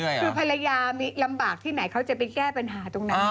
คือภรรยาลำบากที่ไหนเขาจะไปแก้ปัญหาตรงนั้น